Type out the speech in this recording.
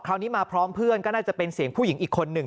คราวนี้มาพร้อมเพื่อนก็น่าจะเป็นเสียงผู้หญิงอีกคนหนึ่ง